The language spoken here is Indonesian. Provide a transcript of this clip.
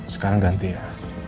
sekarang ganti ya